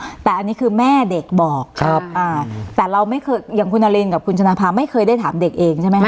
แต่อันนี้คือแม่เด็กบอกครับอ่าแต่เราไม่เคยอย่างคุณนารินกับคุณชนะภาไม่เคยได้ถามเด็กเองใช่ไหมคะ